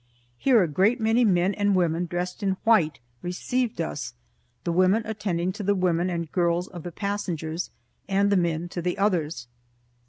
Here a great many men and women, dressed in white, received us, the women attending to the women and girls of the passengers, and the men to the others.